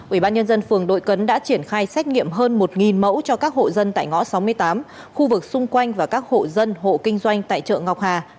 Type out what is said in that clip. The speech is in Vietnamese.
ủy ban nhân dân phường đội cấn đã triển khai xét nghiệm hơn một mẫu cho các hộ dân tại ngõ sáu mươi tám khu vực xung quanh và các hộ dân hộ kinh doanh tại chợ ngọc hà